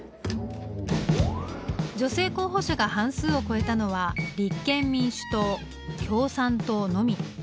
女性候補者が半数を超えたのは立憲民主党共産党のみ。